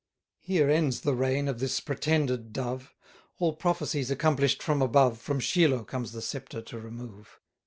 Here ends the reign of this pretended Dove; All prophecies accomplish'd from above, From Shiloh comes the sceptre to remove.